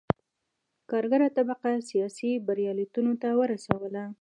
کارګره طبقه سیاسي بریالیتوب ته ورسوله.